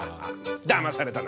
だまされたな。